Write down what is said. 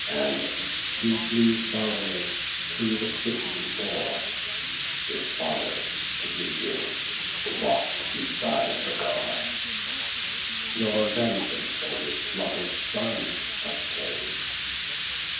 And deeply sorrowing, to the city bore; His father, weeping, walk'd beside the car, Nor vengeance for his slaughter'd son obtain'd.